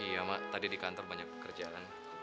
iya mbak tadi di kantor banyak pekerjaan